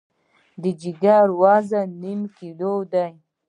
د جګر وزن یو نیم کیلو دی.